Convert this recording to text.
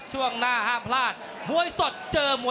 รอคะแนนจากอาจารย์สมาร์ทจันทร์คล้อยสักครู่หนึ่งนะครับ